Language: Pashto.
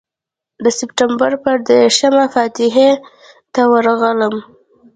د سپټمبر پر دېرشمه فاتحې ته ورغلم.